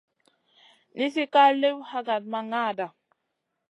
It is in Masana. Nizi ka liw hakada ma ŋada.